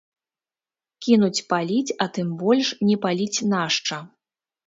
Кінуць паліць, а тым больш не паліць нашча.